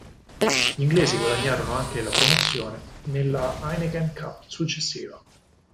Gli inglesi guadagnarono anche la promozione nella Heineken Cup successiva.